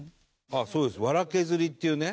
そうです『笑けずり』っていうね。